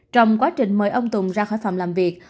trong quá trình mời ông tùng ra khỏi phòng làm việc